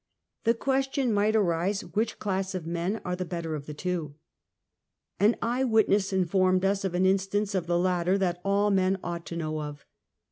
The question might arise which class of men are the better of the two ? An eye witness informed us of an instance of the latter that all men ought to know of.